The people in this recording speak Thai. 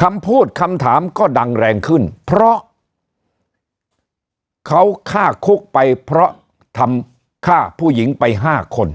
คำพูดคำถามก็ดังแรงขึ้นเพราะเขาฆ่าคุกไปเพราะทำฆ่าผู้หญิงไป๕คน